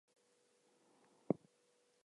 Can you feed the cat?